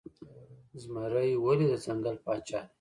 زمری ولې د ځنګل پاچا دی؟